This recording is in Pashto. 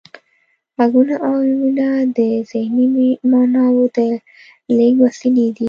غږونه او وییونه د ذهني معناوو د لیږد وسیلې دي